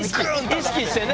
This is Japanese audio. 意識してね。